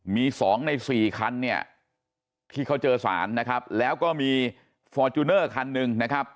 มีสองในสี่คันเนี่ยที่เขาเจอสารนะครับแล้วก็มีฟอร์จูเนอร์คันหนึ่งนะครับ